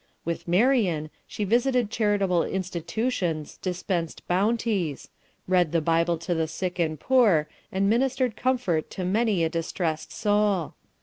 With Marian she visited charitable institutions, dispensed bounties read the Bible to the sick and poor, and ministered comfort to many a distressed soul.